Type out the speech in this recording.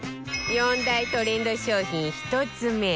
４大トレンド商品１つ目